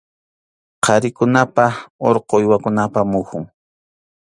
Qharikunapa urqu uywakunapa muhun.